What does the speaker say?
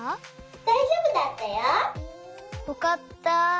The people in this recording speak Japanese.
だいじょうぶだったよ。よかった！